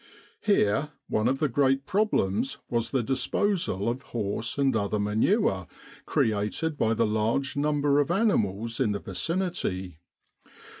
Here one of the great problems was the disposal of horse and other manure created by the large number of animals in the vicinity.